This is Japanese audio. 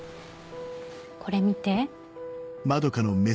これ見て。